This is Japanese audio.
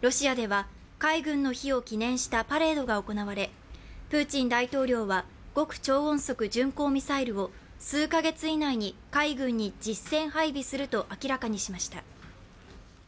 ロシアでは海軍の日を記念したパレードが行われプーチン大統領は極超音速巡航ミサイルを数カ月以内に海軍に実戦配備すると明らかにしました。